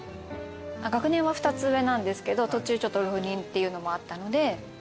学年は２つ上なんですけど途中ちょっと浪人っていうのもあったので。